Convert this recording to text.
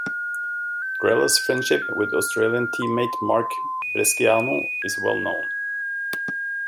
Grella's friendship with Australian teammate Mark Bresciano is well known.